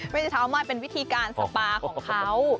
ไม่ใช่ท้าวไหม้เป็นวิธีการสปาของเขา